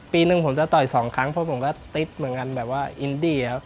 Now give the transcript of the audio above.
ปีหนึ่งผมจะต่อยสองครั้งเพราะผมก็ติดเหมือนกันแบบว่าอินดี้ครับ